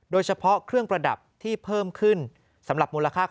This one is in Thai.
บ๊วยเจราะห์